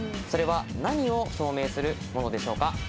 それは何を証明するものでしょうか？